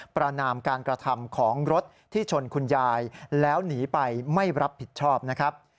ประนามการกระทำของรถที่ชนคุณยายแล้วหนีไปไม่รับผิดชอบนะครับ